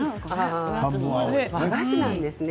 和菓子なんですね